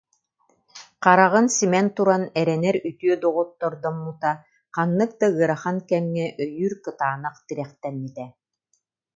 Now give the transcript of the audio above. Хараҕын симэн туран эрэнэр үтүө доҕоттордоммута, ханнык да ыарахан кэмҥэ өйүүр кытаанах тирэхтэммитэ